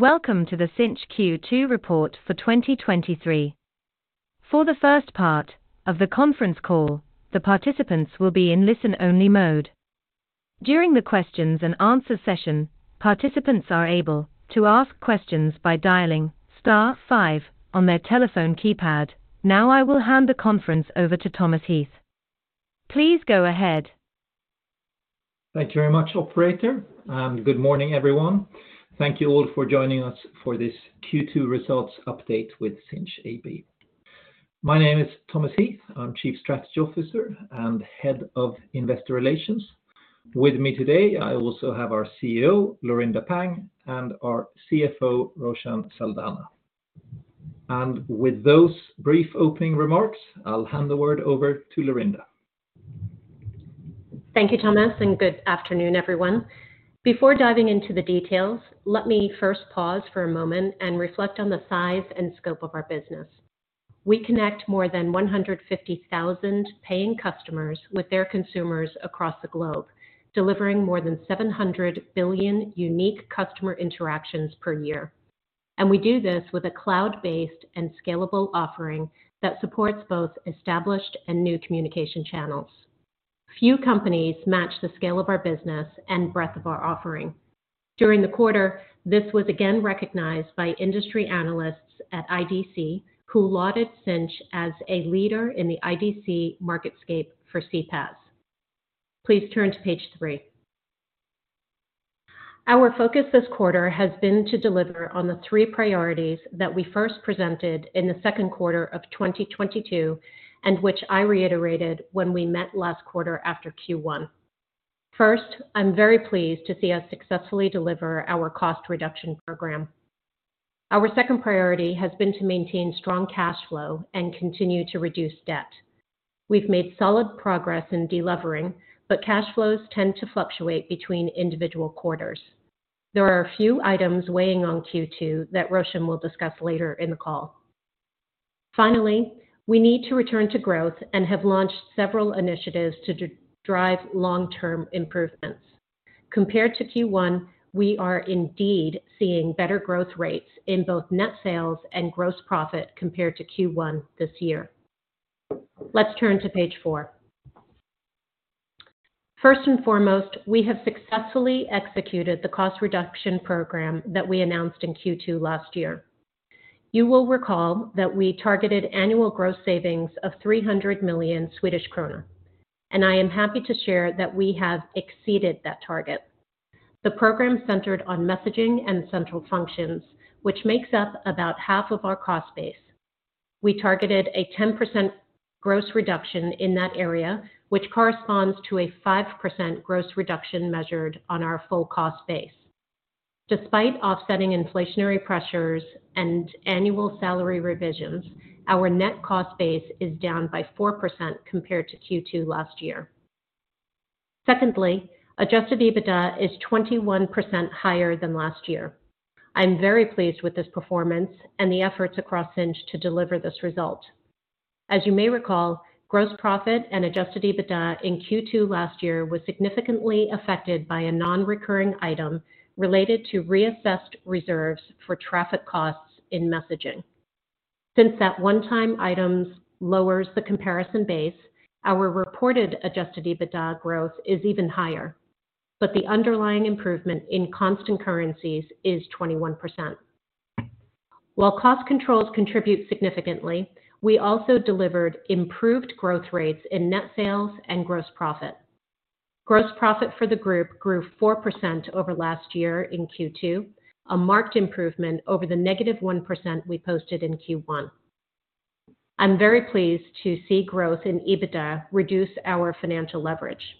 Welcome to the Sinch Q2 report for 2023. For the first part of the conference call, the participants will be in listen-only mode. During the questions and answer session, participants are able to ask questions by dialing star 5 on their telephone keypad. I will hand the conference over to Thomas Heath. Please go ahead. Thank you very much, operator, good morning, everyone. Thank you all for joining us for this Q2 results update with Sinch AB. My name is Thomas Heath. I'm Chief Strategy Officer and Head of Investor Relations. With me today, I also have our CEO, Laurinda Pang, and our CFO, Roshan Saldanha. With those brief opening remarks, I'll hand the word over to Laurinda. Thank you, Thomas, and good afternoon, everyone. Before diving into the details, let me first pause for a moment and reflect on the size and scope of our business. We connect more than 150,000 paying customers with their consumers across the globe, delivering more than 700 billion unique customer interactions per year. We do this with a cloud-based and scalable offering that supports both established and new communication channels. Few companies match the scale of our business and breadth of our offering. During the quarter, this was again recognized by industry analysts at IDC, who lauded Sinch as a leader in the IDC MarketScape for CPaaS. Please turn to page 3. Our focus this quarter has been to deliver on the three priorities that we first presented in the second quarter of 2022, and which I reiterated when we met last quarter after Q1. First, I'm very pleased to see us successfully deliver our cost reduction program. Our second priority has been to maintain strong cash flow and continue to reduce debt. We've made solid progress in delevering, cash flows tend to fluctuate between individual quarters. There are a few items weighing on Q2 that Roshan will discuss later in the call. Finally, we need to return to growth and have launched several initiatives to drive long-term improvements. Compared to Q1, we are indeed seeing better growth rates in both net sales and gross profit compared to Q1 this year. Let's turn to page 4. First and foremost, we have successfully executed the cost reduction program that we announced in Q2 last year. You will recall that we targeted annual gross savings of 300 million Swedish krona, I am happy to share that we have exceeded that target. The program centered on messaging and central functions, which makes up about half of our cost base. We targeted a 10% gross reduction in that area, which corresponds to a 5% gross reduction measured on our full cost base. Despite offsetting inflationary pressures and annual salary revisions, our net cost base is down by 4% compared to Q2 last year. Secondly, adjusted EBITDA is 21 higher than last year. I'm very pleased with this performance and the efforts across Sinch to deliver this result. As you may recall, gross profit and adjusted EBITDA in Q2 last year was significantly affected by a non-recurring item related to reassessed reserves for traffic costs in messaging. Since that one-time item lowers the comparison base, our reported adjusted EBITDA growth is even higher, but the underlying improvement in constant currencies is 21%. While cost controls contribute significantly, we also delivered improved growth rates in net sales and gross profit. Gross profit for the group grew 4% over last year in Q2, a marked improvement over the negative 1% we posted in Q1. I'm very pleased to see growth in EBITDA reduce our financial leverage.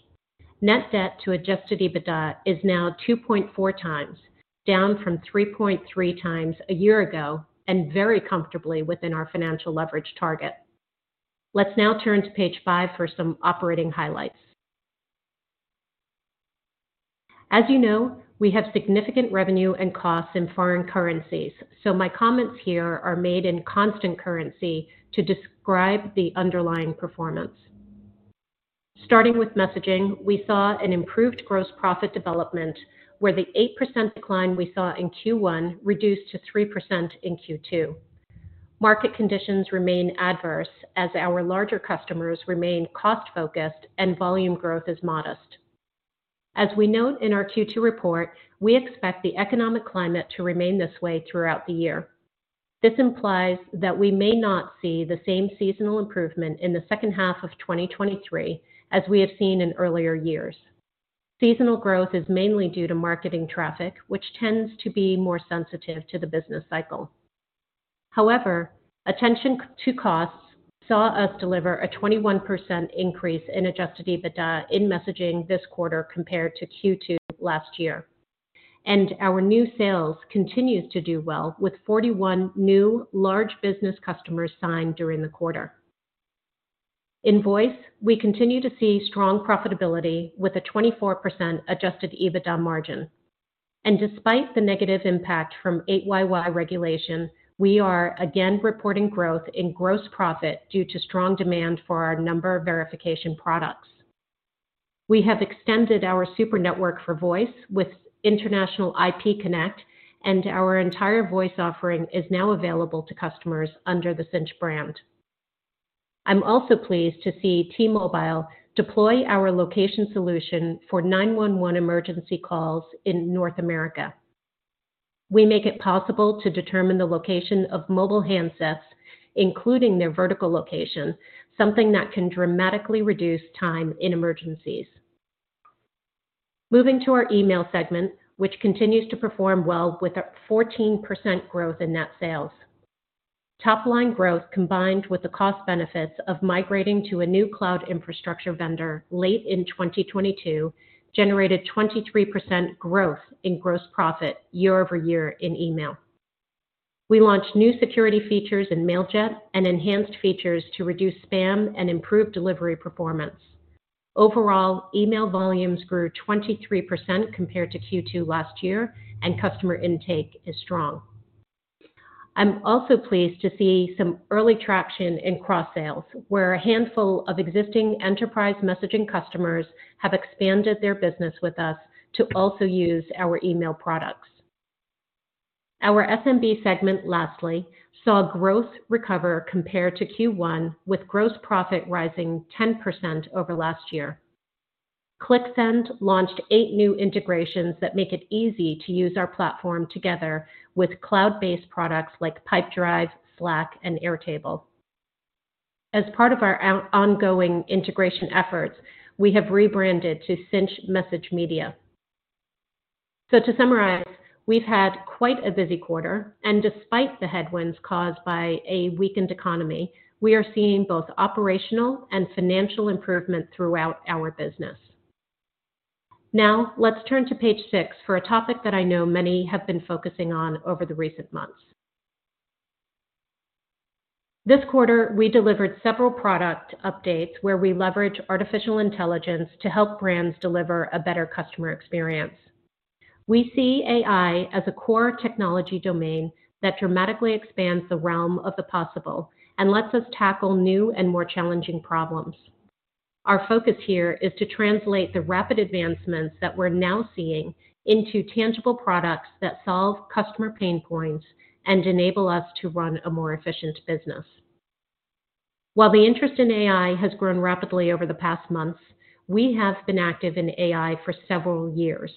Net debt to adjusted EBITDA is now 2.4 times, down from 3.3 times a year ago, and very comfortably within our financial leverage target. Let's now turn to page 5 for some operating highlights. As you know, we have significant revenue and costs in foreign currencies, so my comments here are made in constant currency to describe the underlying performance. Starting with messaging, we saw an improved gross profit development, where the 8% decline we saw in Q1 reduced to 3% in Q2. Market conditions remain adverse as our larger customers remain cost-focused and volume growth is modest. As we note in our Q2 report, we expect the economic climate to remain this way throughout the year. This implies that we may not see the same seasonal improvement in the second half of 2023 as we have seen in earlier years. Seasonal growth is mainly due to marketing traffic, which tends to be more sensitive to the business cycle. However, attention to costs saw us deliver a 21% increase in adjusted EBITDA in messaging this quarter compared to Q2 last year, and our new sales continues to do well with 41 new large business customers signed during the quarter. In voice, we continue to see strong profitability with a 24% adjusted EBITDA margin. Despite the negative impact from 8YY regulation, we are again reporting growth in gross profit due to strong demand for our number verification products. We have extended our Super Network for voice with international IP Connect, and our entire voice offering is now available to customers under the Sinch brand. I'm also pleased to see T-Mobile deploy our location solution for 911 emergency calls in North America. We make it possible to determine the location of mobile handsets, including their vertical location, something that can dramatically reduce time in emergencies. Moving to our email segment, which continues to perform well with a 14% growth in net sales. Top line growth, combined with the cost benefits of migrating to a new cloud infrastructure vendor late in 2022, generated 23% growth in gross profit year-over-year in email. We launched new security features in Mailjet and enhanced features to reduce spam and improve delivery performance. Overall, email volumes grew 23% compared to Q2 last year, and customer intake is strong. I'm also pleased to see some early traction in cross sales, where a handful of existing enterprise messaging customers have expanded their business with us to also use our email products. Our SMB segment, lastly, saw growth recover compared to Q1, with gross profit rising 10% over last year. ClickSend launched eight new integrations that make it easy to use our platform together with cloud-based products like Pipedrive, Slack, and Airtable. As part of our ongoing integration efforts, we have rebranded to Sinch MessageMedia. To summarize, we've had quite a busy quarter, and despite the headwinds caused by a weakened economy, we are seeing both operational and financial improvement throughout our business. Now, let's turn to page six for a topic that I know many have been focusing on over the recent months. This quarter, we delivered several product updates where we leverage artificial intelligence to help brands deliver a better customer experience. We see AI as a core technology domain that dramatically expands the realm of the possible and lets us tackle new and more challenging problems. Our focus here is to translate the rapid advancements that we're now seeing into tangible products that solve customer pain points and enable us to run a more efficient business. While the interest in AI has grown rapidly over the past months, we have been active in AI for several years.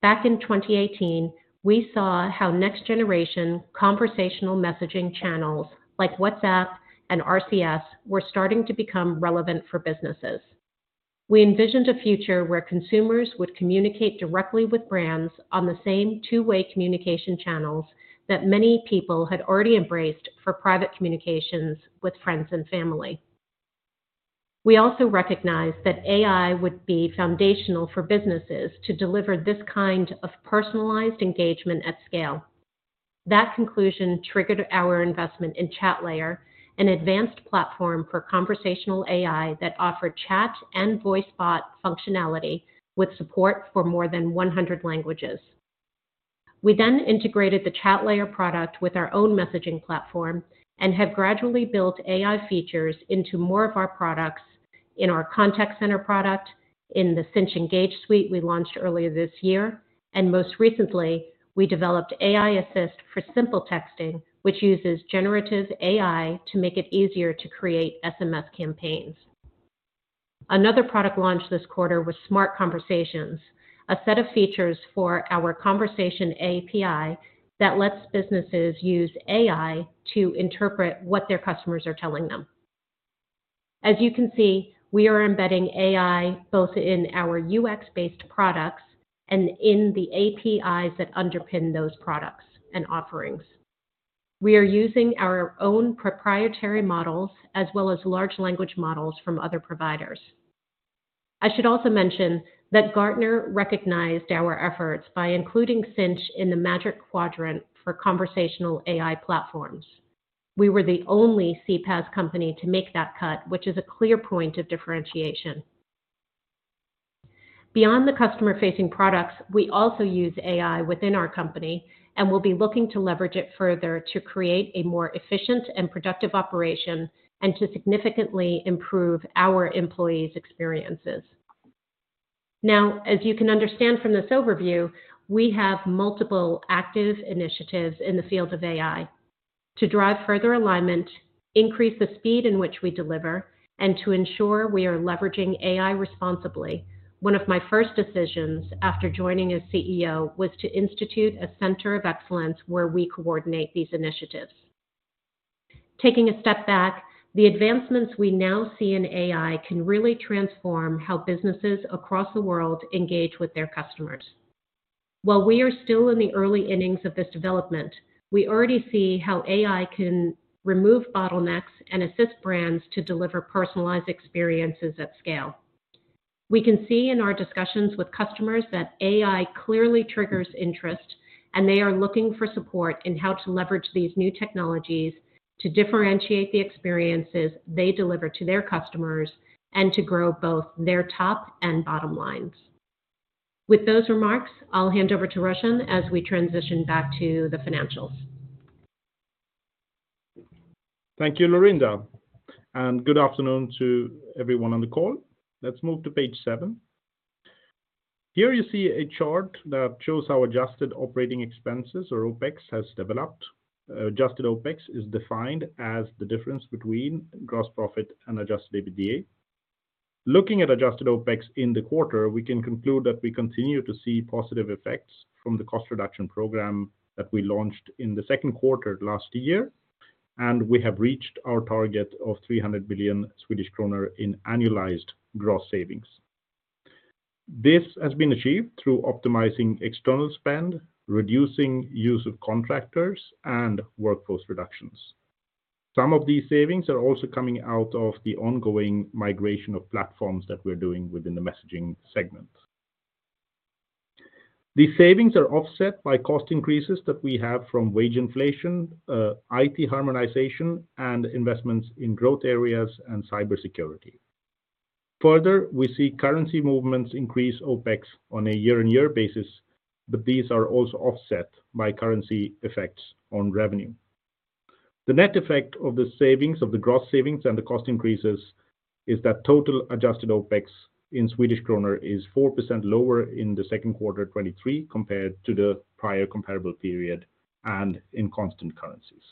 Back in 2018, we saw how next generation conversational messaging channels like WhatsApp and RCS were starting to become relevant for businesses. We envisioned a future where consumers would communicate directly with brands on the same two-way communication channels that many people had already embraced for private communications with friends and family. We also recognized that AI would be foundational for businesses to deliver this kind of personalized engagement at scale. That conclusion triggered our investment in Chatlayer, an advanced platform for conversational AI that offered chat and voice bot functionality with support for more than 100 languages. We integrated the Chatlayer product with our own messaging platform and have gradually built AI features into more of our products: in our contact center product, in the Sinch Engage Suite we launched earlier this year, and most recently, we developed AI Assist for SimpleTexting, which uses generative AI to make it easier to create SMS campaigns. Another product launch this quarter was Smart Conversations, a set of features for our Conversation API that lets businesses use AI to interpret what their customers are telling them. As you can see, we are embedding AI both in our UX-based products and in the APIs that underpin those products and offerings. We are using our own proprietary models as well as large language models from other providers. I should also mention that Gartner recognized our efforts by including Sinch in the Magic Quadrant for conversational AI platforms. We were the only CPaaS company to make that cut, which is a clear point of differentiation. Beyond the customer-facing products, we also use AI within our company and will be looking to leverage it further to create a more efficient and productive operation and to significantly improve our employees' experiences. As you can understand from this overview, we have multiple active initiatives in the field of AI. To drive further alignment, increase the speed in which we deliver, and to ensure we are leveraging AI responsibly, one of my first decisions after joining as CEO was to institute a center of excellence where we coordinate these initiatives. Taking a step back, the advancements we now see in AI can really transform how businesses across the world engage with their customers. While we are still in the early innings of this development, we already see how AI can remove bottlenecks and assist brands to deliver personalized experiences at scale. We can see in our discussions with customers that AI clearly triggers interest, and they are looking for support in how to leverage these new technologies to differentiate the experiences they deliver to their customers and to grow both their top and bottom lines. With those remarks, I'll hand over to Roshan as we transition back to the financials.... Thank you, Laurinda, and good afternoon to everyone on the call. Let's move to page 7. Here you see a chart that shows how adjusted operating expenses, or OpEx, has developed. Adjusted OpEx is defined as the difference between gross profit and adjusted EBITDA. Looking at adjusted OpEx in the quarter, we can conclude that we continue to see positive effects from the cost reduction program that we launched in the second quarter last year, and we have reached our target of 300 billion Swedish kronor in annualized gross savings. This has been achieved through optimizing external spend, reducing use of contractors, and workforce reductions. Some of these savings are also coming out of the ongoing migration of platforms that we're doing within the messaging segment. These savings are offset by cost increases that we have from wage inflation, IT harmonization, and investments in growth areas and cybersecurity. Further, we see currency movements increase OpEx on a year-on-year basis, but these are also offset by currency effects on revenue. The net effect of the savings, of the gross savings and the cost increases is that total adjusted OpEx in Swedish kronor is 4% lower in the second quarter '23, compared to the prior comparable period and in constant currencies.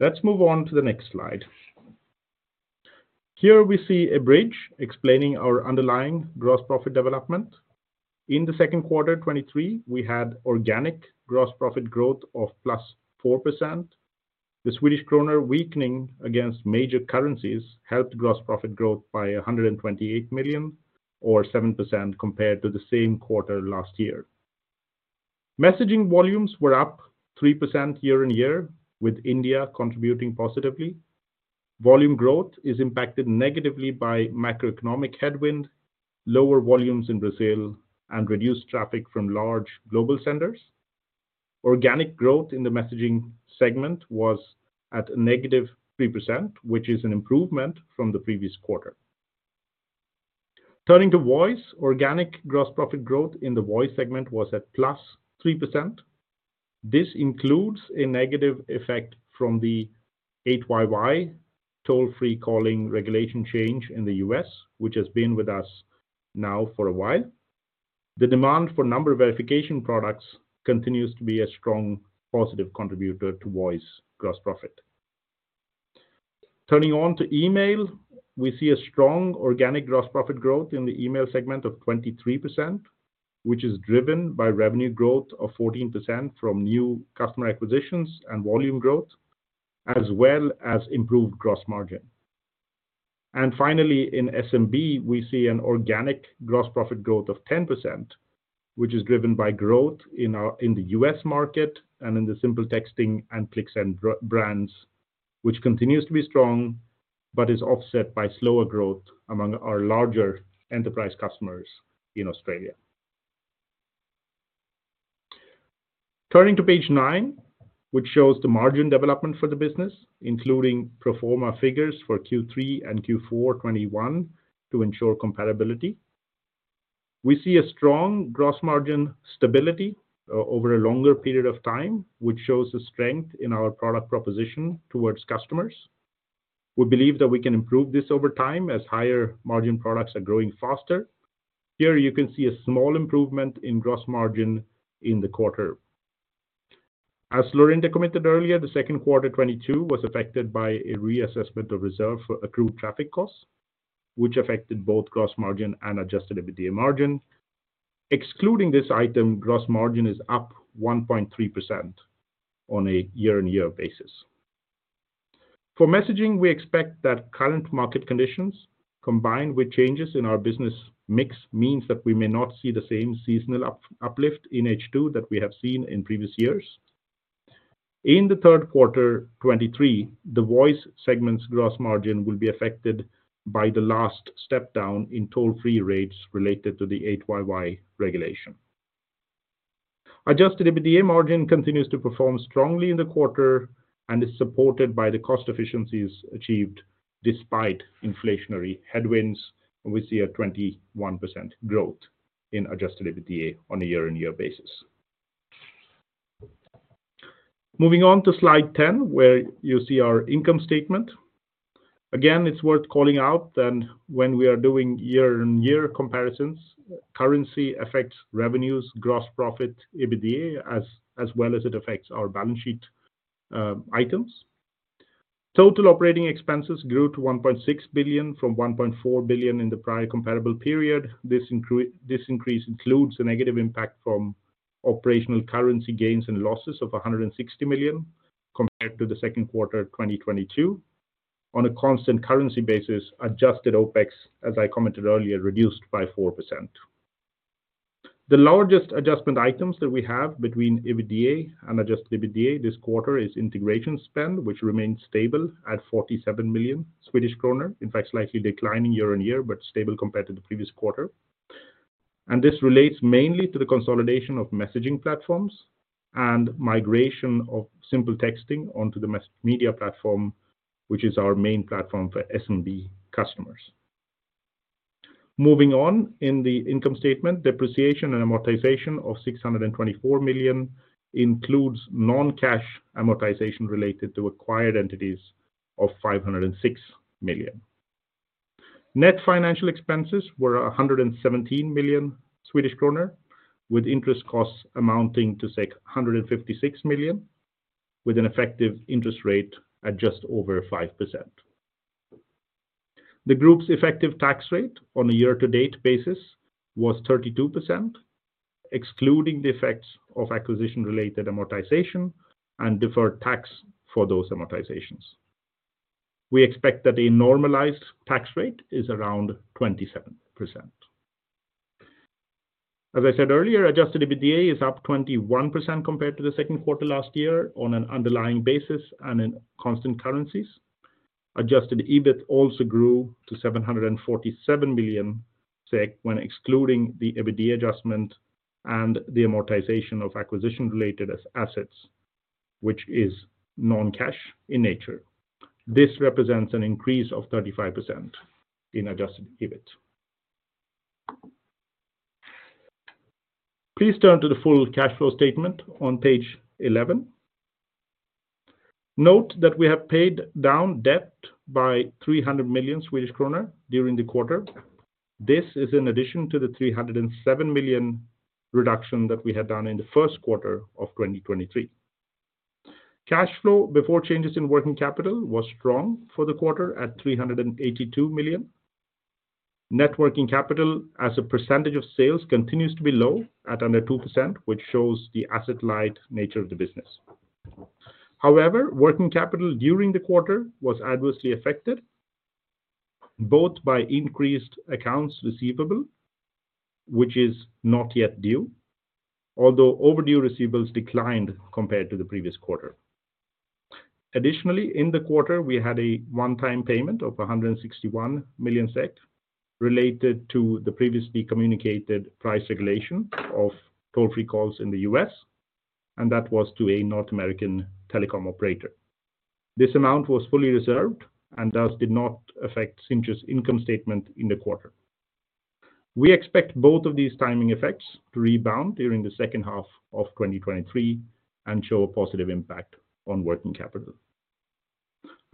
Let's move on to the next slide. Here we see a bridge explaining our underlying gross profit development. In the second quarter '23, we had organic gross profit growth of +4%. The Swedish krona weakening against major currencies helped gross profit growth by 128 million or 7% compared to the same quarter last year. Messaging volumes were up 3% year-on-year, with India contributing positively. Volume growth is impacted negatively by macroeconomic headwind, lower volumes in Brazil, and reduced traffic from large global senders. Organic growth in the Messaging segment was at -3%, which is an improvement from the previous quarter. Turning to Voice, organic gross profit growth in the Voice segment was at +3%. This includes a negative effect from the 8YY toll-free calling regulation change in the U.S., which has been with us now for a while. The demand for number verification products continues to be a strong positive contributor to Voice gross profit. Turning on to Email, we see a strong organic gross profit growth in the Email segment of 23%, which is driven by revenue growth of 14% from new customer acquisitions and volume growth, as well as improved gross margin. Finally, in SMB, we see an organic gross profit growth of 10%, which is driven by growth in the U.S. market and in the SimpleTexting and ClickSend brands, which continues to be strong, but is offset by slower growth among our larger enterprise customers in Australia. Turning to page 9, which shows the margin development for the business, including pro forma figures for Q3 and Q4 2021 to ensure comparability. We see a strong gross margin stability over a longer period of time, which shows the strength in our product proposition towards customers. We believe that we can improve this over time as higher margin products are growing faster. Here you can see a small improvement in gross margin in the quarter. As Laurinda commented earlier, the second quarter 2022 was affected by a reassessment of reserve for accrued traffic costs, which affected both gross margin and adjusted EBITDA margin. Excluding this item, gross margin is up 1.3% on a year-on-year basis. For messaging, we expect that current market conditions, combined with changes in our business mix, means that we may not see the same seasonal uplift in H2 that we have seen in previous years. In the third quarter 2023, the Voice segment's gross margin will be affected by the last step down in toll-free rates related to the 8YY regulation. Adjusted EBITDA margin continues to perform strongly in the quarter is supported by the cost efficiencies achieved despite inflationary headwinds, we see a 21% growth in adjusted EBITDA on a year-on-year basis. Moving on to slide 10, where you see our income statement. Again, it's worth calling out that when we are doing year-on-year comparisons, currency affects revenues, gross profit, EBITDA, as well as it affects our balance sheet items. Total operating expenses grew to 1.6 billion from 1.4 billion in the prior comparable period. This increase includes a negative impact from operational currency gains and losses of 160 million compared to the second quarter of 2022. On a constant currency basis, adjusted OpEx, as I commented earlier, reduced by 4%. The largest adjustment items that we have between EBITDA and adjusted EBITDA this quarter is integration spend, which remains stable at 47 million Swedish kronor. In fact, slightly declining year-on-year, but stable compared to the previous quarter. This relates mainly to the consolidation of messaging platforms and migration of SimpleTexting onto the MessageMedia platform, which is our main platform for SMB customers. Moving on, in the income statement, depreciation and amortization of 624 million includes non-cash amortization related to acquired entities of 506 million. Net financial expenses were 117 million Swedish kronor, with interest costs amounting to 156 million, with an effective interest rate at just over 5%. The group's effective tax rate on a year-to-date basis was 32%, excluding the effects of acquisition-related amortization and deferred tax for those amortizations. We expect that the normalized tax rate is around 27%. As I said earlier, adjusted EBITDA is up 21% compared to the second quarter last year on an underlying basis and in constant currencies. Adjusted EBIT also grew to 747 million SEK when excluding the EBITDA adjustment and the amortization of acquisition-related assets, which is non-cash in nature. This represents an increase of 35% in adjusted EBIT. Please turn to the full cash flow statement on page 11. Note that we have paid down debt by 300 million Swedish krona during the quarter. This is in addition to the 307 million reduction that we had done in the 1st quarter of 2023. Cash flow before changes in working capital was strong for the quarter at 382 million. Net working capital as a percentage of sales continues to be low at under 2%, which shows the asset light nature of the business. Working capital during the quarter was adversely affected, both by increased accounts receivable, which is not yet due, although overdue receivables declined compared to the previous quarter. In the quarter, we had a one-time payment of 161 million SEK, related to the previously communicated price regulation of toll-free calls in the U.S., and that was to a North American telecom operator. This amount was fully reserved and thus did not affect Sinch's income statement in the quarter. We expect both of these timing effects to rebound during the second half of 2023 and show a positive impact on working capital.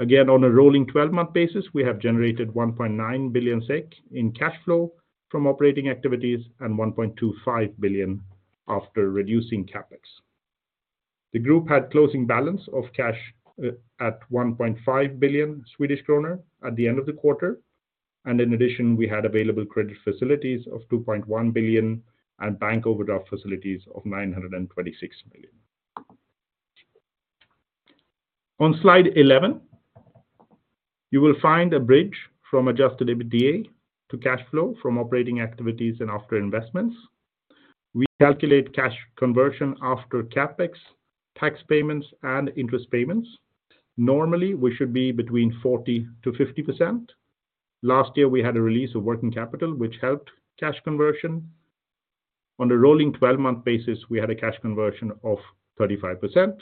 On a rolling twelve-month basis, we have generated 1.9 billion SEK in cash flow from operating activities and 1.25 billion after reducing CapEx. The group had closing balance of cash at 1.5 billion Swedish kronor at the end of the quarter. In addition, we had available credit facilities of 2.1 billion and bank overdraft facilities of 926 million. On Slide 11, you will find a bridge from adjusted EBITDA to cash flow from operating activities and after investments. We calculate cash conversion after CapEx, tax payments, and interest payments. Normally, we should be between 40%-50%. Last year, we had a release of working capital, which helped cash conversion. On a rolling 12-month basis, we had a cash conversion of 35%.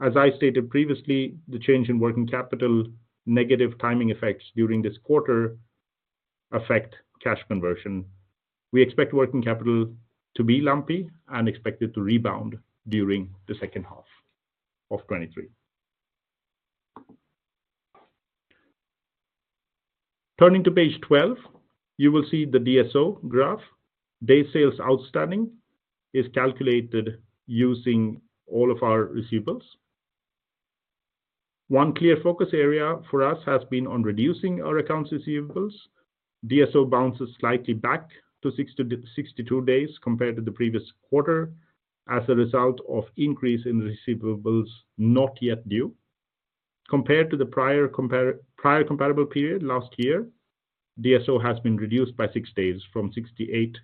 As I stated previously, the change in working capital, negative timing effects during this quarter affect cash conversion. We expect working capital to be lumpy and expect it to rebound during the second half of 2023. Turning to page 12, you will see the DSO graph. Day Sales Outstanding is calculated using all of our receivables. One clear focus area for us has been on reducing our accounts receivables. DSO bounces slightly back to 60-62 days compared to the previous quarter as a result of increase in receivables not yet due. Compared to the prior comparable period last year, DSO has been reduced by 6 days, from 68-62,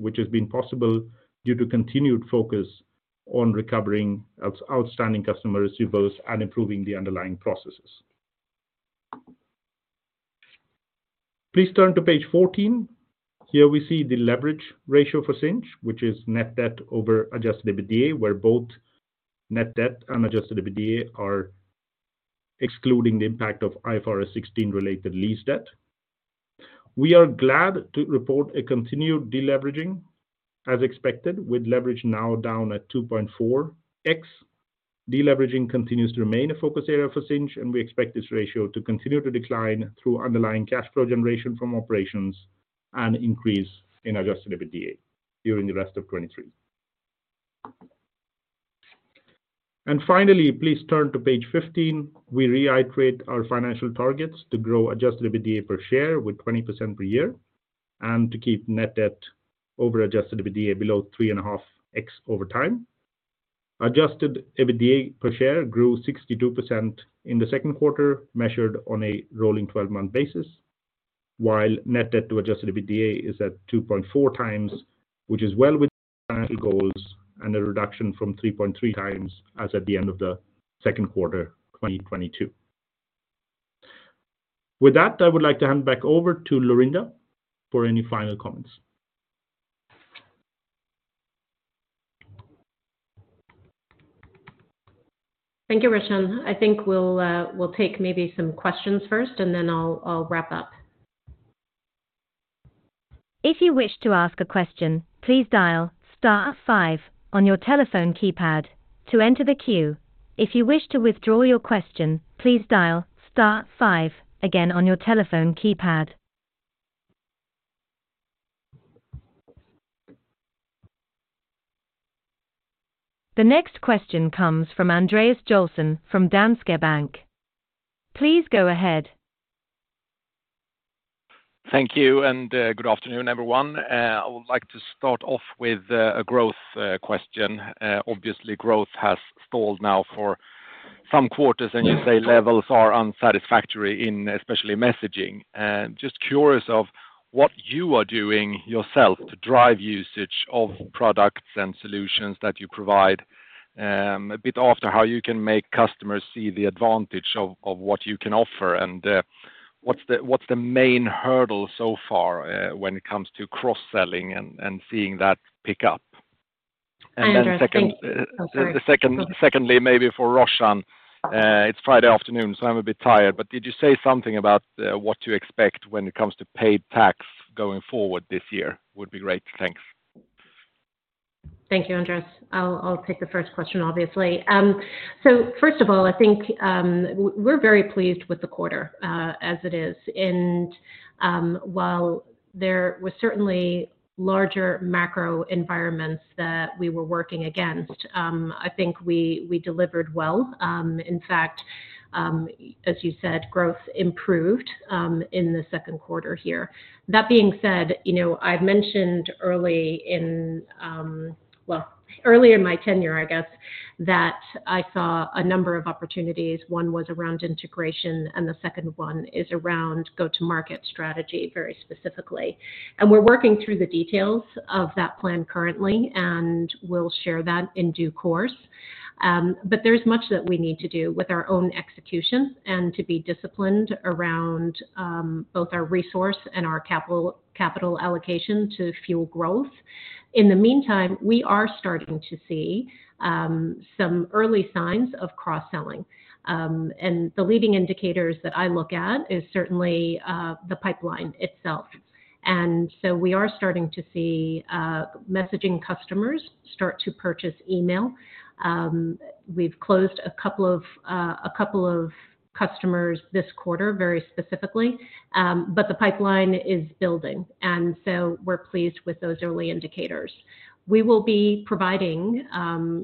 which has been possible due to continued focus on recovering outstanding customer receivables and improving the underlying processes. Please turn to page 14. Here we see the leverage ratio for Sinch, which is net debt over adjusted EBITDA, where both net debt and adjusted EBITDA are excluding the impact of IFRS 16 related lease debt. We are glad to report a continued deleveraging, as expected, with leverage now down at 2.4x. Deleveraging continues to remain a focus area for Sinch, we expect this ratio to continue to decline through underlying cash flow generation from operations and increase in adjusted EBITDA during the rest of 2023. Finally, please turn to page 15. We reiterate our financial targets to grow adjusted EBITDA per share with 20% per year and to keep net debt over adjusted EBITDA below 3.5x over time. Adjusted EBITDA per share grew 62% in the second quarter, measured on a rolling 12-month basis, while net debt to adjusted EBITDA is at 2.4 times, which is well within financial goals and a reduction from 3.3 times as at the end of the second quarter 2022. With that, I would like to hand back over to Laurinda for any final comments. Thank you, Roshan. I think we'll take maybe some questions first, and then I'll wrap up. If you wish to ask a question, please dial star five on your telephone keypad to enter the queue. If you wish to withdraw your question, please dial star five again on your telephone keypad. The next question comes from Andreas Joelsson from Danske Bank. Please go ahead. Thank you. Good afternoon, everyone. I would like to start off with a growth question. Obviously, growth has stalled now for some quarters, and you say levels are unsatisfactory in especially messaging. Just curious of what you are doing yourself to drive usage of products and solutions that you provide, a bit after how you can make customers see the advantage of what you can offer, and what's the main hurdle so far, when it comes to cross-selling and seeing that pick up? Andreas, thank you. Oh, sorry. Secondly, maybe for Roshan, it's Friday afternoon, so I'm a bit tired, did you say something about what to expect when it comes to paid tax going forward this year? Would be great. Thanks. Thank you, Andreas. I'll take the first question, obviously. First of all, I think we're very pleased with the quarter as it is. While there was certainly larger macro environments that we were working against, I think we delivered well. In fact, as you said, growth improved in the second quarter here. That being said, you know, I've mentioned early in well, early in my tenure I guess, that I saw a number of opportunities. One was around integration, and the second one is around go-to-market strategy, very specifically. We're working through the details of that plan currently, and we'll share that in due course. There's much that we need to do with our own execution and to be disciplined around both our resource and our capital allocation to fuel growth. In the meantime, we are starting to see some early signs of cross-selling. The leading indicators that I look at is certainly the pipeline itself. We are starting to see messaging customers start to purchase email. We've closed a couple of customers this quarter, very specifically, but the pipeline is building, and so we're pleased with those early indicators. We will be providing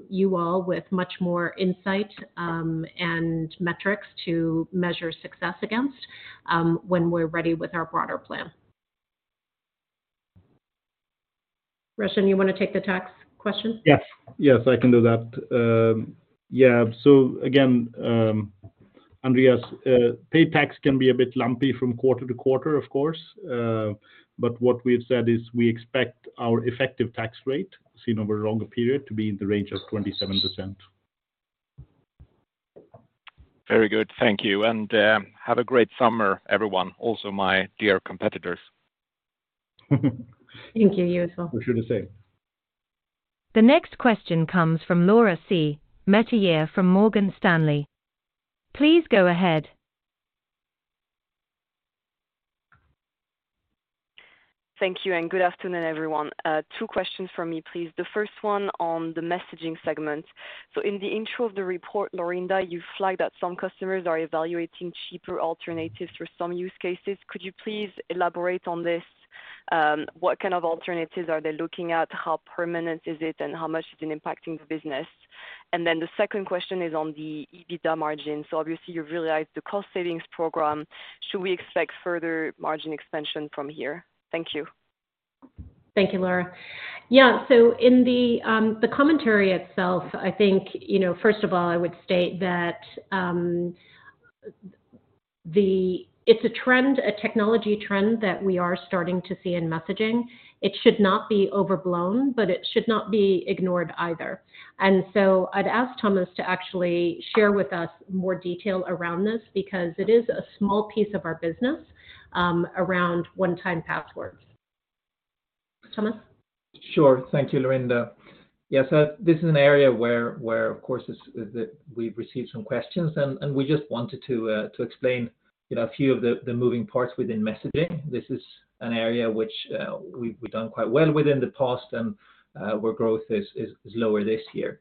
you all with much more insight and metrics to measure success against when we're ready with our broader plan. Roshan, you wanna take the tax question? Yes, I can do that. Yeah, again, Andreas, pay tax can be a bit lumpy from quarter to quarter, of course, but what we've said is we expect our effective tax rate, seen over a longer period, to be in the range of 27%. Very good. Thank you, and, have a great summer, everyone, also my dear competitors. Thank you, useful. We're sure the same. The next question comes from Laura C. Métayer from Morgan Stanley. Please go ahead. Thank you. Good afternoon, everyone. Two questions from me, please. The first one on the messaging segment. In the intro of the report, Laurinda, you flagged that some customers are evaluating cheaper alternatives for some use cases. Could you please elaborate on this? What kind of alternatives are they looking at? How permanent is it, and how much is it impacting the business? The second question is on the EBITDA margin. Obviously, you've realized the cost savings program. Should we expect further margin expansion from here? Thank you. Thank you, Laura. Yeah, in the commentary itself, I think, you know, first of all, I would state that it's a trend, a technology trend that we are starting to see in messaging. It should not be overblown, but it should not be ignored either. I'd ask Thomas to actually share with us more detail around this, because it is a small piece of our business, around one-time passwords. Thomas? Sure. Thank you, Laurinda. This is an area where, of course, is that we've received some questions, and we just wanted to explain, you know, a few of the moving parts within messaging. This is an area which we've done quite well within the past and where growth is lower this year.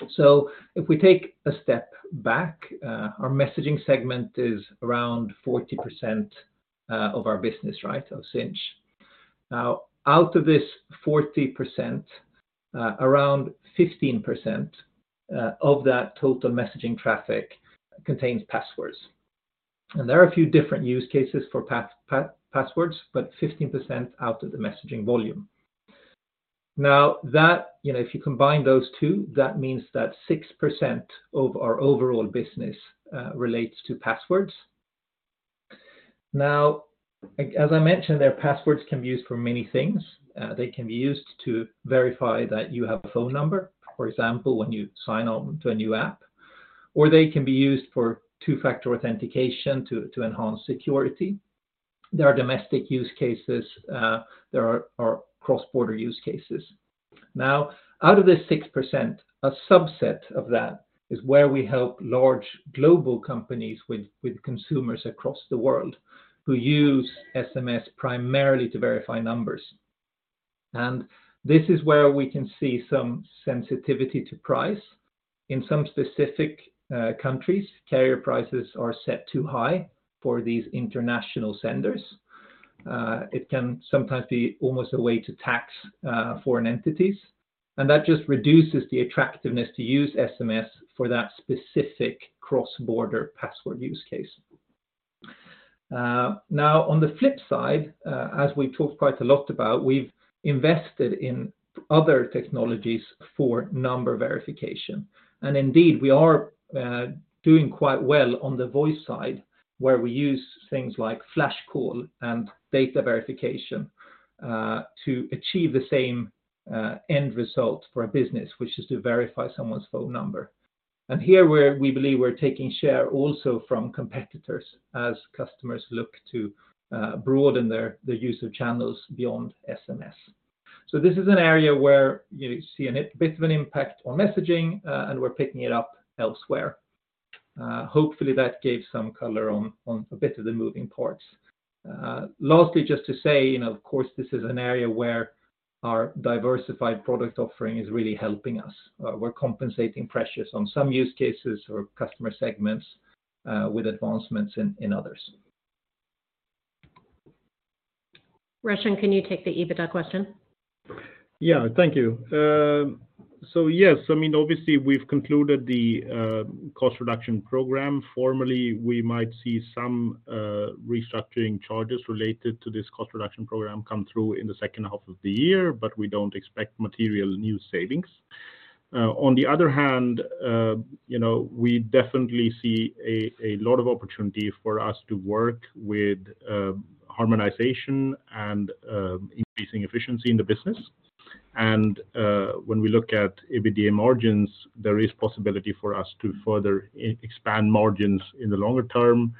If we take a step back, our messaging segment is around 40% of our business, right, of Sinch. Out of this 40%, around 15% of that total messaging traffic contains passwords. There are a few different use cases for passwords, but 15% out of the messaging volume. That, you know, if you combine those two, that means that 6% of our overall business relates to passwords. As I mentioned, their passwords can be used for many things. They can be used to verify that you have a phone number, for example, when you sign on to a new app, or they can be used for two-factor authentication to enhance security. There are domestic use cases, there are cross-border use cases. Out of the 6%, a subset of that is where we help large global companies with consumers across the world, who use SMS primarily to verify numbers. This is where we can see some sensitivity to price. In some specific countries, carrier prices are set too high for these international senders. It can sometimes be almost a way to tax foreign entities, and that just reduces the attractiveness to use SMS for that specific cross-border password use case. On the flip side, as we talked quite a lot about, we've invested in other technologies for number verification. Indeed, we are doing quite well on the voice side, where we use things like flash call and data verification to achieve the same end result for a business, which is to verify someone's phone number. Here, where we believe we're taking share also from competitors as customers look to broaden their use of channels beyond SMS. This is an area where you see an bit of an impact on messaging, we're picking it up elsewhere. Hopefully, that gave some color on a bit of the moving parts. Lastly, just to say, you know, of course, this is an area where our diversified product offering is really helping us. We're compensating pressures on some use cases or customer segments, with advancements in others. Roshan, can you take the EBITDA question? Yeah, thank you. Yes, I mean, obviously, we've concluded the cost reduction program. Formally, we might see some restructuring charges related to this cost reduction program come through in the second half of the year, but we don't expect material new savings. On the other hand, you know, we definitely see a lot of opportunity for us to work with harmonization and increasing efficiency in the business. When we look at EBITDA margins, there is possibility for us to further expand margins in the longer term,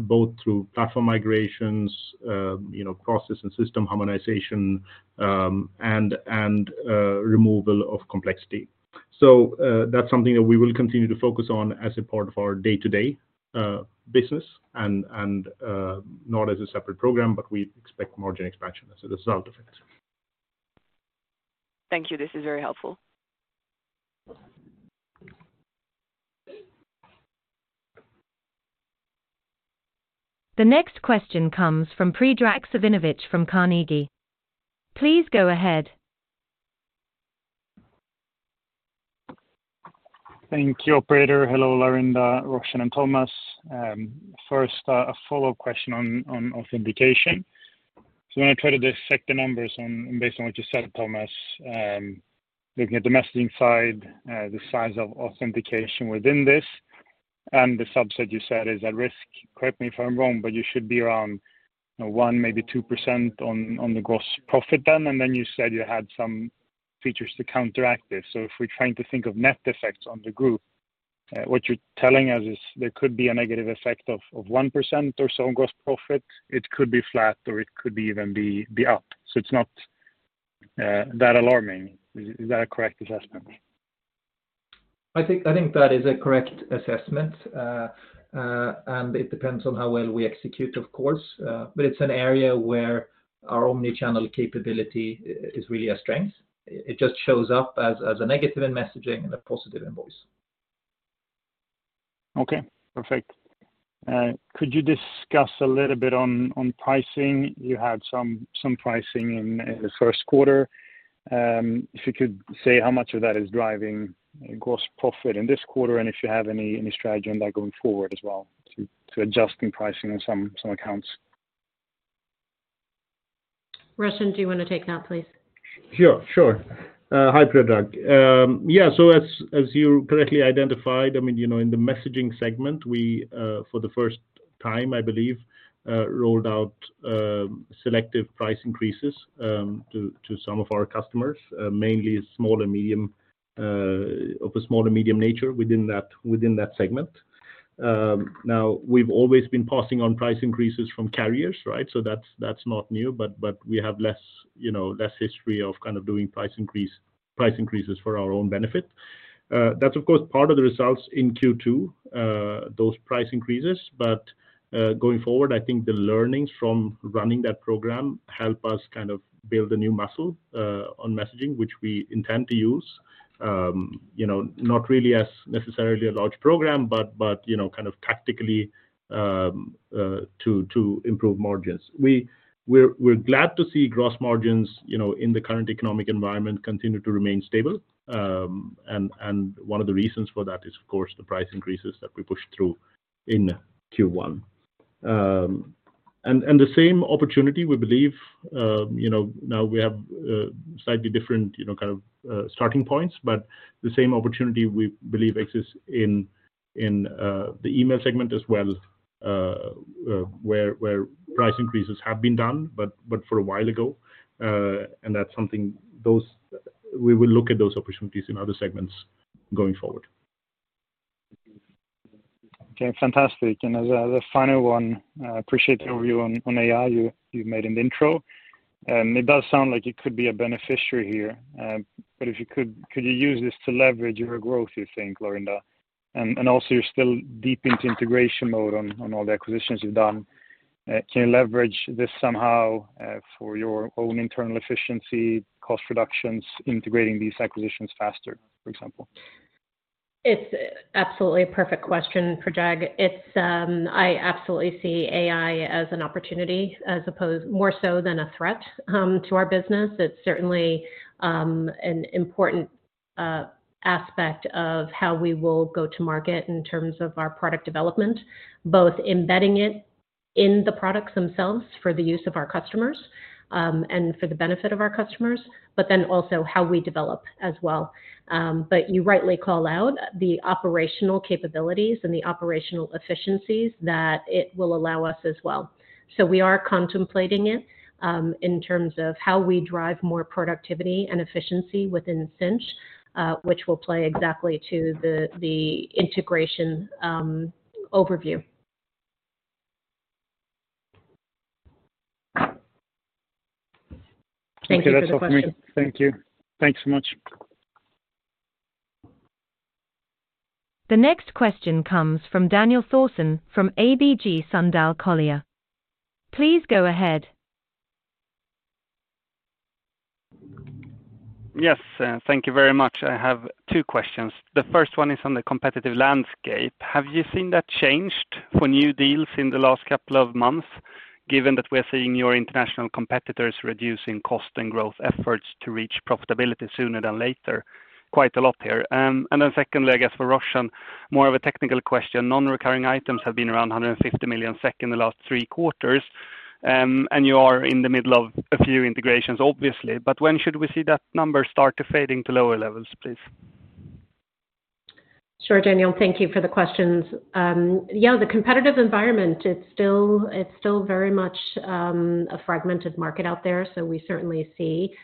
both through platform migrations, you know, cross-system harmonization, and removal of complexity. That's something that we will continue to focus on as a part of our day-to-day business, and not as a separate program, but we expect margin expansion as a result of it. Thank you. This is very helpful. The next question comes from Predrag Savinovic from Carnegie. Please go ahead. Thank you, operator. Hello, Laurinda, Roshan, and Thomas. First, a follow-up question on authentication. I'm gonna try to dissect the numbers and based on what you said, Thomas. Looking at the messaging side, the size of authentication within this, and the subset you said is at risk. Correct me if I'm wrong, but you should be around, you know, 1%, maybe 2% on the gross profit then, and then you said you had some features to counteract this. If we're trying to think of net effects on the group, what you're telling us is there could be a negative effect of 1% or so on gross profit, it could be flat, or it could be even be up. It's not that alarming. Is that a correct assessment? I think that is a correct assessment. It depends on how well we execute, of course. It's an area where our omnichannel capability is really a strength. It just shows up as a negative in messaging and a positive in voice. Okay, perfect. Could you discuss a little bit on pricing? You had some pricing in the first quarter. If you could say how much of that is driving gross profit in this quarter, and if you have any strategy on that going forward as well, to adjusting pricing on some accounts? Roshan, do you wanna take that, please? Sure, sure. Hi, Predrag. As you correctly identified, I mean, you know, in the messaging segment, we for the first time, I believe, rolled out selective price increases to some of our customers, mainly small and medium of a small and medium nature within that segment. Now, we've always been passing on price increases from carriers, right? That's not new, but we have less, you know, less history of kind of doing price increases for our own benefit. That's, of course, part of the results in Q2, those price increases, but going forward, I think the learnings from running that program help us kind of build a new muscle on messaging, which we intend to use. you know, not really as necessarily a large program, but, you know, kind of tactically, to improve margins. we're glad to see gross margins, you know, in the current economic environment, continue to remain stable. One of the reasons for that is, of course, the price increases that we pushed through in Q1. The same opportunity, we believe, you know, now we have, slightly different, you know, kind of, starting points, but the same opportunity, we believe, exists in the email segment as well, where price increases have been done, but for a while ago, and that's something. We will look at those opportunities in other segments going forward. Okay, fantastic. As the final one, I appreciate the overview on AI you've made in the intro. It does sound like it could be a beneficiary here, but if you could you use this to leverage your growth, you think, Laurinda? Also, you're still deep into integration mode on all the acquisitions you've done. Can you leverage this somehow for your own internal efficiency, cost reductions, integrating these acquisitions faster, for example? It's absolutely a perfect question, Predrag. It's, I absolutely see AI as an opportunity as opposed more so than a threat to our business. It's certainly an important aspect of how we will go to market in terms of our product development, both embedding it in the products themselves for the use of our customers and for the benefit of our customers, but then also how we develop as well. You rightly call out the operational capabilities and the operational efficiencies that it will allow us as well. We are contemplating it in terms of how we drive more productivity and efficiency within Sinch, which will play exactly to the integration overview. Thank you for the question. Okay, that's all for me. Thank you. Thanks so much. The next question comes from Daniel Thorsson from ABG Sundal Collier. Please go ahead. Yes, thank you very much. I have two questions. The first one is on the competitive landscape. Have you seen that changed for new deals in the last couple of months, given that we're seeing your international competitors reducing cost and growth efforts to reach profitability sooner than later? Quite a lot here. Then secondly, I guess for Roshan, more of a technical question. Non-recurring items have been around 150 million SEK in the last three quarters, and you are in the middle of a few integrations, obviously, but when should we see that number start to fading to lower levels, please? Sure, Daniel, thank you for the questions. Yeah, the competitive environment, it's still very much a fragmented market out there. We certainly see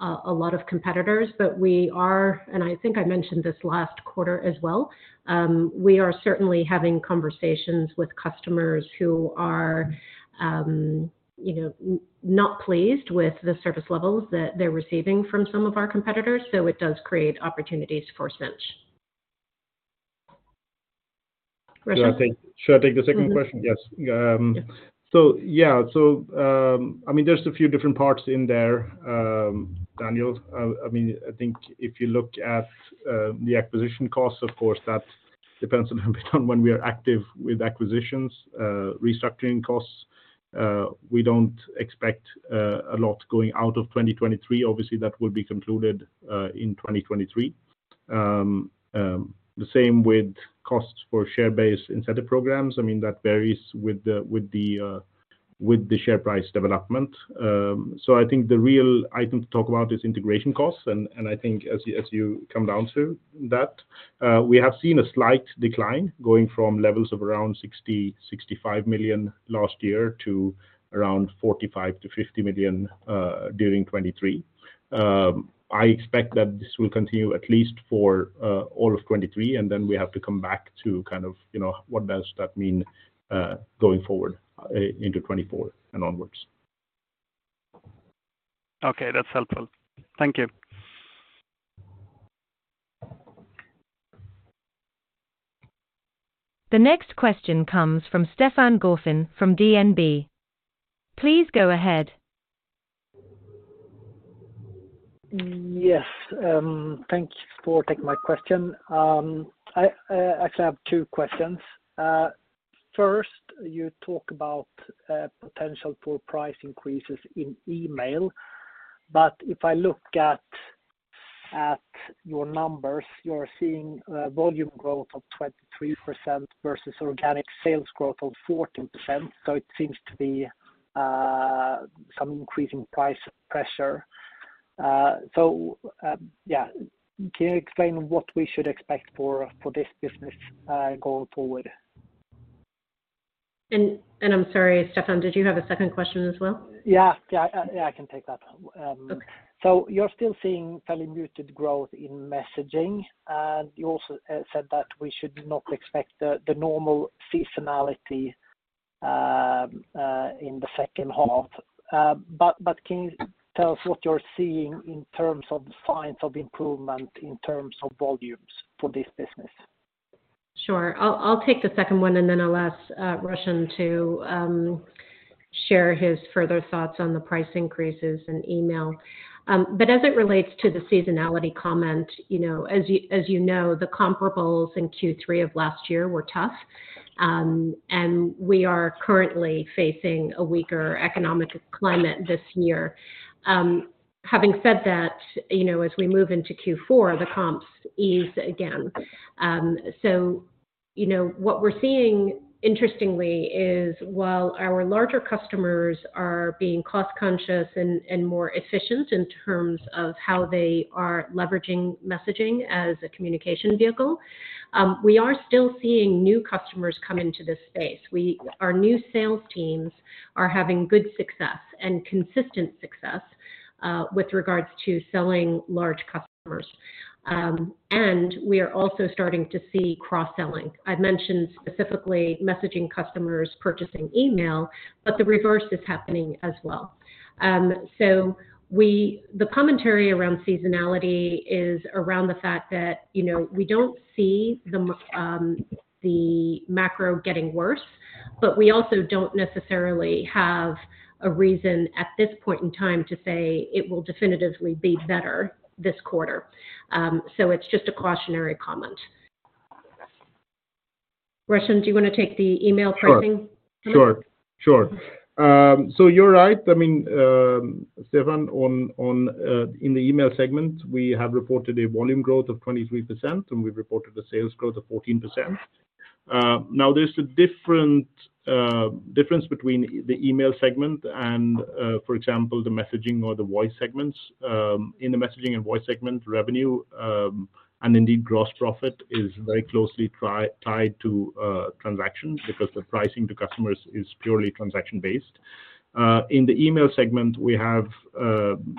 a lot of competitors. We are, and I think I mentioned this last quarter as well, we are certainly having conversations with customers who are, you know, not pleased with the service levels that they're receiving from some of our competitors, so it does create opportunities for Sinch. Roshan? Should I take the second question? Mm-hmm. Yes. I mean, there's a few different parts in there, Daniel. I mean, I think if you look at the acquisition costs, of course, that depends on when we are active with acquisitions. Restructuring costs, we don't expect a lot going out of 2023. Obviously, that will be concluded in 2023. The same with costs for share-based incentive programs. I mean, that varies with the share price development. I think the real item to talk about is integration costs, and I think as you come down to that, we have seen a slight decline going from levels of around 60-65 million last year to around 45-50 million during 2023. I expect that this will continue at least for all of 2023, and then we have to come back to kind of, you know, what does that mean, going forward, into 2024 and onwards. Okay, that's helpful. Thank you. The next question comes from Stefan Gauffin from DNB. Please go ahead. Yes, thank you for taking my question. I actually have 2 questions. First, you talk about potential for price increases in email. If I look at your numbers, you're seeing a volume growth of 23% versus organic sales growth of 14%. It seems to be some increasing price pressure. Yeah. Can you explain what we should expect for this business, going forward? I'm sorry, Stefan, did you have a second question as well? Yeah. Yeah, I can take that. Okay. You're still seeing fairly muted growth in messaging, and you also said that we should not expect the normal seasonality in the second half. But can you tell us what you're seeing in terms of signs of improvement, in terms of volumes for this business? Sure. I'll take the second one, and then I'll ask Roshan to share his further thoughts on the price increases in email. As it relates to the seasonality comment, you know, as you know, the comparables in Q3 of last year were tough, and we are currently facing a weaker economic climate this year. Having said that, you know, as we move into Q4, the comps ease again. You know, what we're seeing interestingly is, while our larger customers are being cost conscious and more efficient in terms of how they are leveraging messaging as a communication vehicle, we are still seeing new customers come into this space. Our new sales teams are having good success and consistent success with regards to selling large customers. We are also starting to see cross-selling. I've mentioned specifically messaging customers purchasing email, the reverse is happening as well. The commentary around seasonality is around the fact that, you know, we don't see the macro getting worse, we also don't necessarily have a reason at this point in time to say it will definitively be better this quarter. It's just a cautionary comment. Roshan, do you wanna take the email pricing? Sure. Sure, sure. You're right, I mean, Stefan, on in the email segment, we have reported a volume growth of 23%, and we've reported a sales growth of 14%. There's a different difference between the email segment and, for example, the messaging or the voice segments. In the messaging and voice segment, revenue, and indeed, gross profit is very closely tied to transactions because the pricing to customers is purely transaction-based. In the email segment, we have,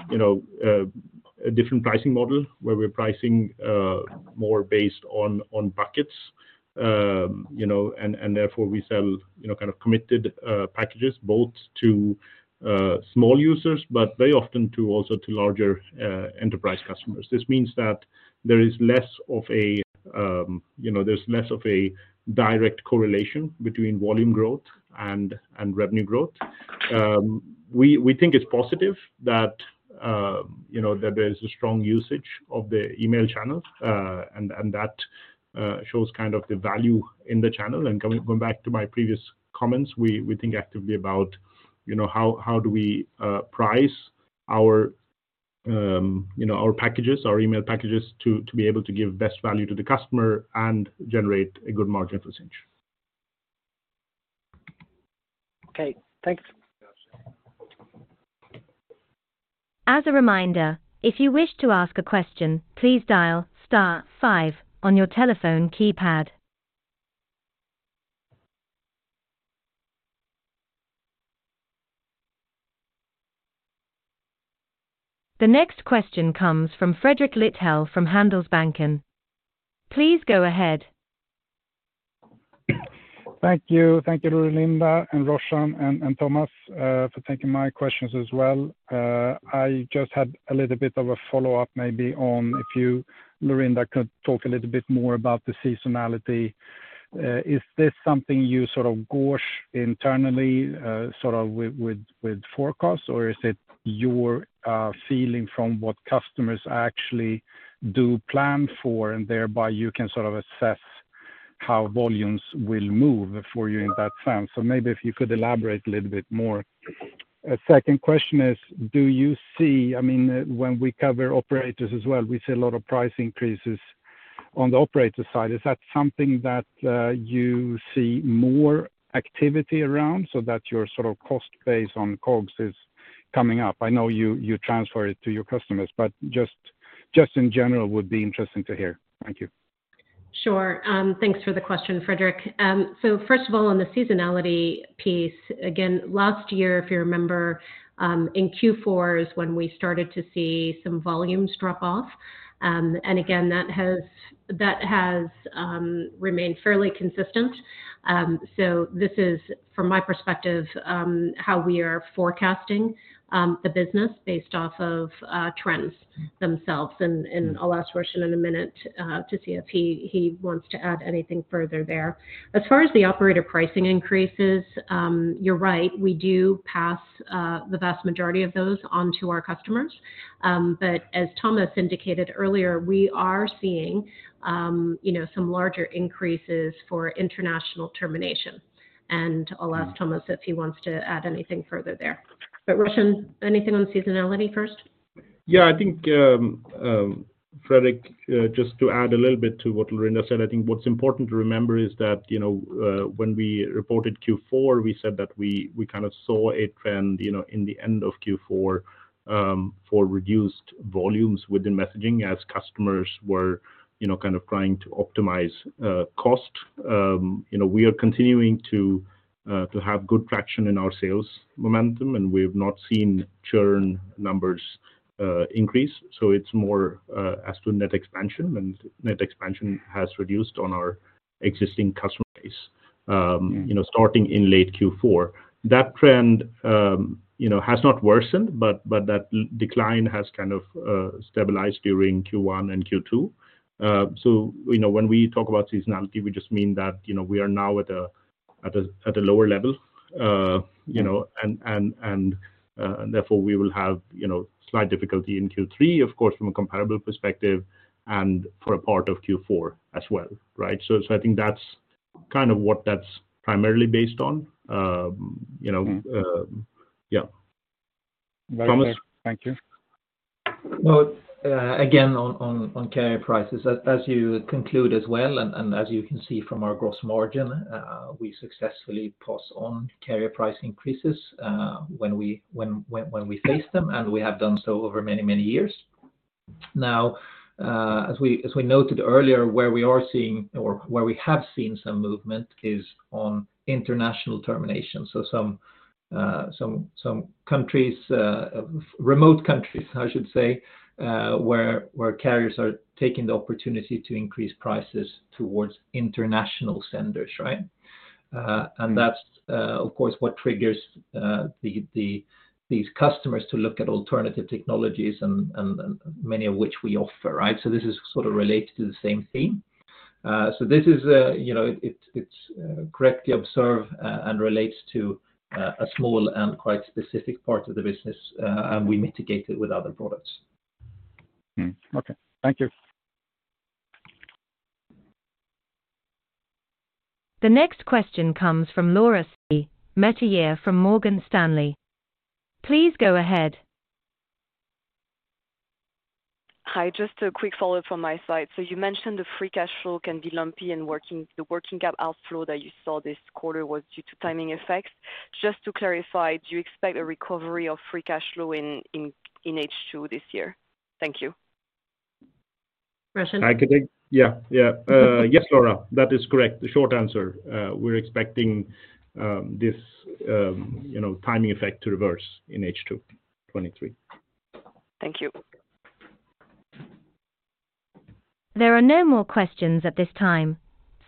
you know, a different pricing model, where we're pricing more based on buckets. You know, and therefore, we sell, you know, kind of committed packages both to small users, but very often to larger, enterprise customers. This means that there is less of a, you know, there's less of a direct correlation between volume growth and revenue growth. We think it's positive that, you know, that there's a strong usage of the email channel, and that shows kind of the value in the channel. Coming, going back to my previous comments, we think actively about, you know, how do we price our, you know, our packages, our email packages, to be able to give best value to the customer and generate a good margin percentage. Okay, thanks. As a reminder, if you wish to ask a question, please dial star five on your telephone keypad. The next question comes from Fredrik Lithell from Handelsbanken. Please go ahead. Thank you. Thank you, Laurinda, and Roshan, and Thomas, for taking my questions as well. I just had a little bit of a follow-up maybe on if you, Laurinda, could talk a little bit more about the seasonality. Is this something you sort of gauge internally, sort of with forecasts? Or is it your feeling from what customers actually do plan for, and thereby you can sort of assess how volumes will move for you in that sense? Maybe if you could elaborate a little bit more. A second question is, I mean, when we cover operators as well, we see a lot of price increases on the operator side. Is that something that you see more activity around so that your sort of cost base on COGS is coming up? I know you transfer it to your customers, but just in general would be interesting to hear. Thank you. Sure. Thanks for the question, Fredrik. First of all, on the seasonality piece, again, last year, if you remember, in Q4 is when we started to see some volumes drop off. Again, that has, that has, remained fairly consistent. This is, from my perspective, how we are forecasting the business based off of trends themselves. I'll ask Roshan in a minute to see if he wants to add anything further there. As far as the operator pricing increases, you're right, we do pass the vast majority of those on to our customers. As Thomas indicated earlier, we are seeing, you know, some larger increases for international termination, I'll ask Thomas if he wants to add anything further there. Roshan, anything on seasonality first? Yeah, I think, Fredrik, just to add a little bit to what Laurinda said, I think what's important to remember is that, you know, when we reported Q4, we said that we kind of saw a trend, you know, in the end of Q4, for reduced volumes within messaging as customers were, you know, kind of trying to optimize cost. You know, we are continuing to have good traction in our sales momentum, and we've not seen churn numbers increase. It's more as to net expansion, and net expansion has reduced on our existing customer base, you know, starting in late Q4. That trend, you know, has not worsened, but that decline has kind of stabilized during Q1 and Q2. you know, when we talk about seasonality, we just mean that, you know, we are now at a lower level, you know, and therefore, we will have, you know, slight difficulty in Q3, of course, from a comparable perspective and for a part of Q4 as well, right? I think that's kind of what that's primarily based on. you know, yeah. Got it. Thomas? Thank you. Well, again, on carrier prices, as you conclude as well, and as you can see from our gross margin, we successfully pass on carrier price increases, when we face them, and we have done so over many, many years. As we noted earlier, where we are seeing or where we have seen some movement is on international termination. Some countries, remote countries, I should say, where carriers are taking the opportunity to increase prices towards international senders, right? That's, of course, what triggers these customers to look at alternative technologies and many of which we offer, right? This is sort of related to the same theme. This is, you know, it's correctly observed, and relates to a small and quite specific part of the business, and we mitigate it with other products. Hmm. Okay. Thank you. The next question comes from Laura Métayer from Morgan Stanley. Please go ahead. Hi, just a quick follow-up from my side. You mentioned the free cash flow can be lumpy and the working cap outflow that you saw this quarter was due to timing effects. Just to clarify, do you expect a recovery of free cash flow in H2 this year? Thank you. Christian? I can take. Yeah. Yeah. Yes, Laura, that is correct. The short answer, we're expecting, you know, this timing effect to reverse in H2 2023. Thank you. There are no more questions at this time.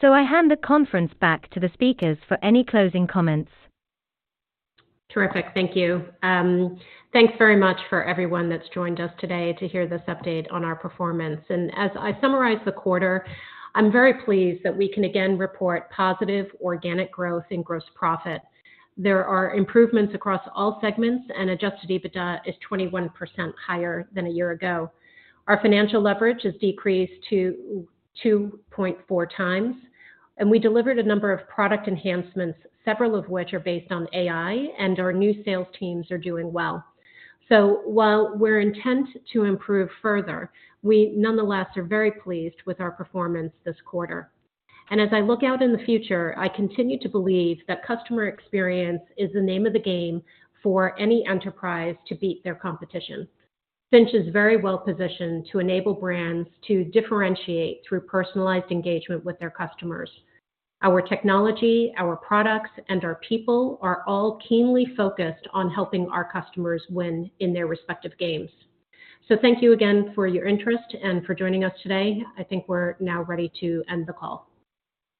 I hand the conference back to the speakers for any closing comments. Terrific. Thank you. Thanks very much for everyone that's joined us today to hear this update on our performance. As I summarize the quarter, I'm very pleased that we can again report positive organic growth in gross profit. There are improvements across all segments, and adjusted EBITDA is 21% higher than a year ago. Our financial leverage has decreased to 2.4 times, and we delivered a number of product enhancements, several of which are based on AI, and our new sales teams are doing well. While we're intent to improve further, we nonetheless are very pleased with our performance this quarter. As I look out in the future, I continue to believe that customer experience is the name of the game for any enterprise to beat their competition. Sinch is very well positioned to enable brands to differentiate through personalized engagement with their customers. Our technology, our products, and our people are all keenly focused on helping our customers win in their respective games. Thank you again for your interest and for joining us today. I think we're now ready to end the call.